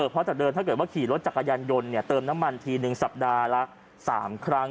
เพราะจากเดิมถ้าเกิดว่าขี่รถจักรยานยนต์เติมน้ำมันทีนึงสัปดาห์ละ๓ครั้ง